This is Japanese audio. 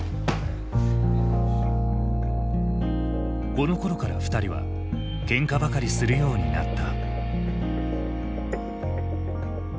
このころから二人はけんかばかりするようになった。